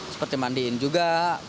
seperti mandiin juga